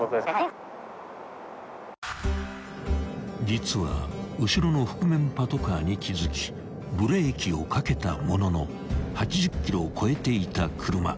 ［実は後ろの覆面パトカーに気付きブレーキをかけたものの８０キロを超えていた車］